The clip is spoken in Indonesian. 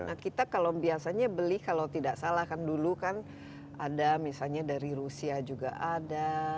nah kita kalau biasanya beli kalau tidak salah kan dulu kan ada misalnya dari rusia juga ada